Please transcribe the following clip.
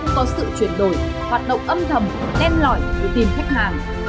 cũng có sự chuyển đổi hoạt động âm thầm đem lõi để tìm khách hàng